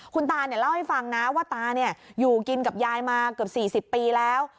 คุณตาเล่าให้ฟังนะว่าตาอยู่กินกับยายมาเกือบ๔๐ปีแล้ว